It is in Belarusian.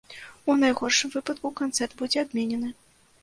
У найгоршым выпадку канцэрт будзе адменены.